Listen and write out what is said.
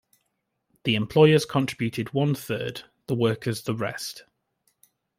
The employers contributed one-third, the workers the rest.